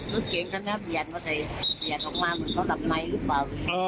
รถเก๋งกันนะเบียดออกมามันต้องหลับไหนหรือเปล่า